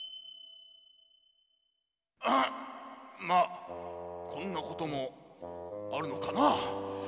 まあこんなこともあるのかな。